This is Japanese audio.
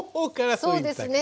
これそうですね。